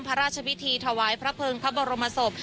พระราชพิธีถวายพระเภิงพระบรมศพ